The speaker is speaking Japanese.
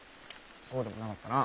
そうでもなかったな。